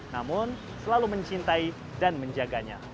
namun selalu mencintai dan menjaganya